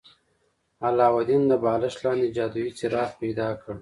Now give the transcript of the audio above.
علاوالدین د بالښت لاندې جادويي څراغ پیدا کړ.